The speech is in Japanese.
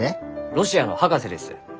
ロシアの博士です。